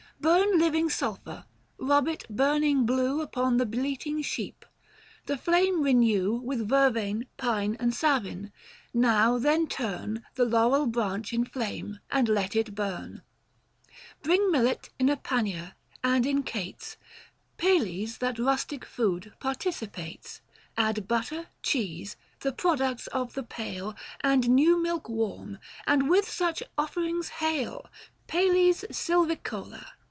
Burn living sulphur, rub it burning blue 850 Upon the bleating sheep ; the flame renew With vervain, pine, and savin : now then turn The laurel branch in flame, and let it burn ; Bring millet in a panier, and in cates, Pales that rustic food participates : 855 Add butter, cheese — the products of the pail, And new milk warm ; and with such offerings hail Pales Silvicola